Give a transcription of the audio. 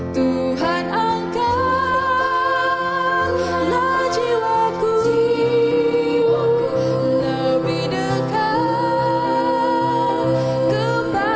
tuhan angkatlah jiwaku lebih dekat kepadamu